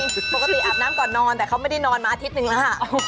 ปกติอาบน้ำก่อนนอนแต่เขาไม่ได้นอนมาอาทิตย์หนึ่งแล้วค่ะ